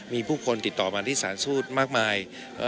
มีผู้คนติดต่อมาที่ศาสนศูนย์มากมาย